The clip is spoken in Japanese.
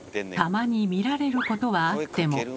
たまに見られることはあっても。